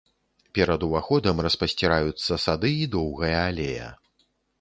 Перад уваходам распасціраюцца сады і доўгая алея.